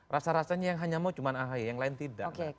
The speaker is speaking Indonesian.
rasa rasanya yang hanya mau cuma ahy yang lain tidak